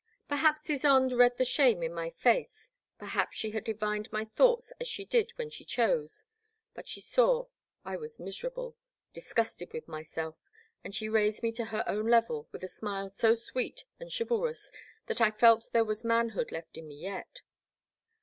Perhaps Ysonde read the shame in my face, perhaps she had divined my thoughts as she did when she chose, but she saw I was miserable, disgusted with myself, and she raised me to her own level with a smile so sweet and chivalrous that I felt there was manhood left in me yet.